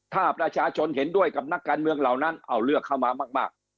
ถ้าประชาชนเห็นด้วยกับนักการเมืองเหล่านั้นเอาเลือกเข้ามามาก